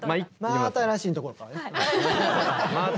「真新しい」のところからね。